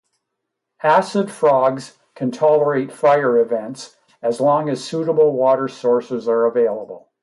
Acid frogs can tolerate fire events as long as suitable water sources are available.